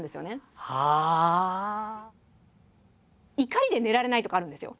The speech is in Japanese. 怒りで寝られないとかあるんですよ。